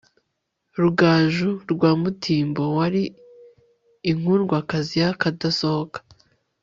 rugaju rwa mutimbo wari inkundwakazi y'akadasohoka